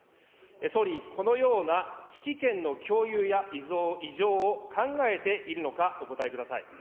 総理、このような指揮権の共有や移譲を考えているのか、お答えください。